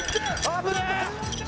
危ねえ！